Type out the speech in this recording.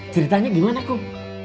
ceritanya gimana kum